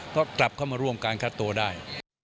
ก็กลับเข้ามาร่วมการคัดตัวได้